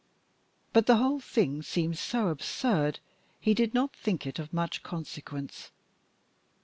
But the whole thing seemed so absurd, he did not think it of much consequence.